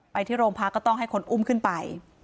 ไปที่โรงพักก็ต้องให้คนอุ้มขึ้นไป